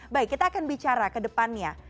baik kita akan bicara ke depannya